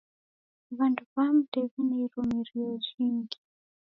W'andu w'amu ndew'ine irumirio jhingi.